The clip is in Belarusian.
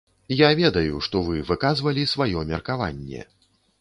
Я ведаю, што вы выказвалі сваё меркаванне.